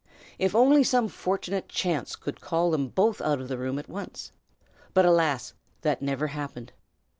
If only some fortunate chance would call them both out of the room at once! But, alas! that never happened.